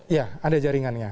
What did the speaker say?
ya ada jaringannya